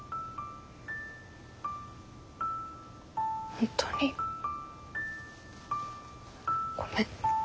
本当にごめん。